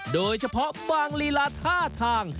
โดยเฉพาะบางลีลาท่าทาง